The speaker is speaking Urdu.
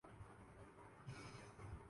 بوسنیا اور ہرزیگووینا